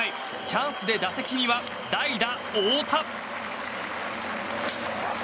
チャンスで打席には代打、大田。